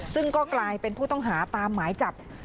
ซึ่งก็กลายเป็นผู้ต้องหาตามหมายจับ